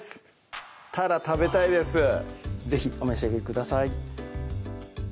タラ食べたいです是非お召し上がりください